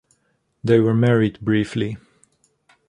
They were married briefly.